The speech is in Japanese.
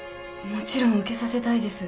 もちろん受けさせたいです。